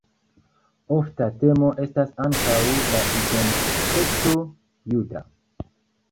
Ofta temo estas ankaŭ la identeco juda.